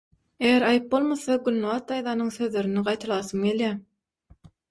Eger aýyp bolmasa, Gülnabat daýzanyň sözlerini gaýtalasym gelýär